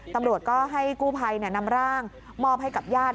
ตำรวจก็ให้กู้ภัยนำร่างมอบให้กับญาติ